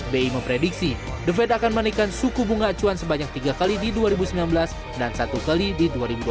bi memprediksi the fed akan menaikkan suku bunga acuan sebanyak tiga kali di dua ribu sembilan belas dan satu kali di dua ribu dua puluh